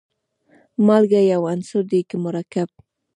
مالګه یو عنصر دی که مرکب.